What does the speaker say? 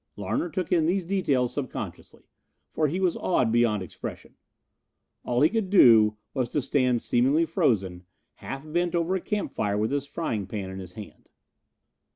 Larner took in these details subconsciously, for he was awed beyond expression. All he could do was to stand seemingly frozen, half bent over the campfire with his frying pan in his hand.